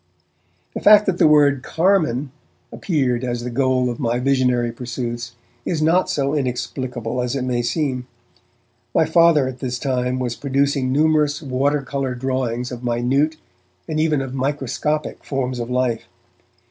The fact that the word 'Carmine' appeared as the goal of my visionary pursuits is not so inexplicable as it may seem. My Father was at this time producing numerous water colour drawings of minute and even of microscopic forms of life.